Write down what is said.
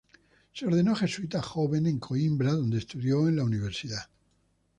Se ordenó jesuita joven en Coimbra, donde estudió en la universidad.